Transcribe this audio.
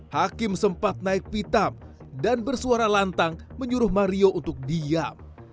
hakim sempat naik pitam dan bersuara lantang menyuruh mario untuk diam